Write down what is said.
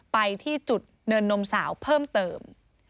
ไปที่จุดเนินนมสาวเพิ่มเติม